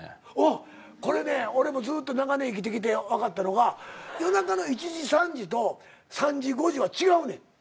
これね俺もずっと長年生きてきて分かったのが夜中の１時３時と３時５時は違うねん。